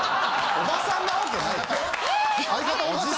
おばさんなわけないだろ。